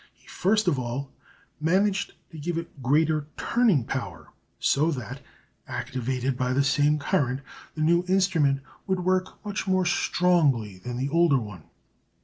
He first of all managed to give it greater turning power, so that, actuated by the same current, the new instrument would work much more strongly than the older one.